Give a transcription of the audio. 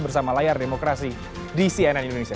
bersama layar demokrasi di cnn indonesia